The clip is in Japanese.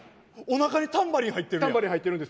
おなかにタンバリン入ってるやん。